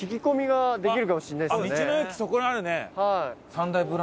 はい。